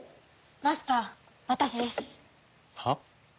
マスター私です。はあ？